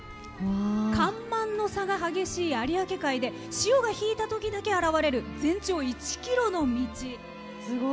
干満の差が激しい有明海で潮が引いたときだけ現れる全長１ｋｍの道。